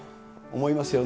思いますよね。